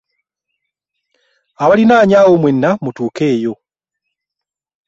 Abaliraanye awo mwenna mutuukeyo.